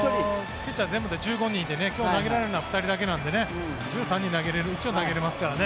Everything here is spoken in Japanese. ピッチャー全部で１５人いて今日投げられるないのは２人だけなので１３人投げられるっちゃ投げられますからね。